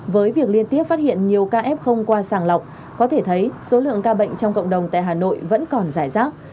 với việc liên tiếp phát hiện nhiều ca f không qua sàng lọc có thể thấy số lượng ca bệnh trong cộng đồng tại hà nội vẫn còn giải rác